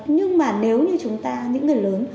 nhưng mà nếu như chúng ta những người lớn